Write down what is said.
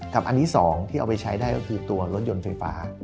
อันที่๒ที่เอาไปใช้ได้ก็คือตัวรถยนต์ไฟฟ้า